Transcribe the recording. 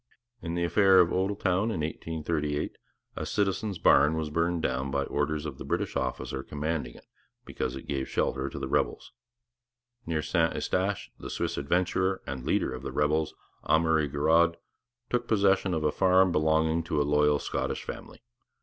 In the affair of Odelltown in 1838 a citizen's barn was burnt down by orders of the British officer commanding because it gave shelter to the rebels. Near St Eustache the Swiss adventurer and leader of the rebels, Amury Girod, took possession of a farm belonging to a loyal Scottish family.